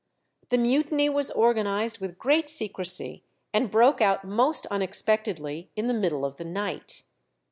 The mutiny was organized with great secrecy, and broke out most unexpectedly in the middle of the night.